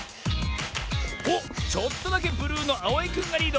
おっちょっとだけブルーのあおいくんがリード。